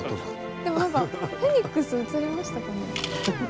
でもなんかフェニックス写りましたかね？